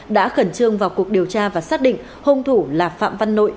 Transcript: đã khẩn trương vào cuộc điều tra và xác định hung thủ là phạm văn nội